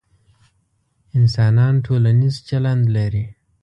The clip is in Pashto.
انسانان ټولنیز چلند لري،